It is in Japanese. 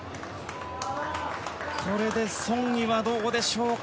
これでソン・イはどうでしょうか。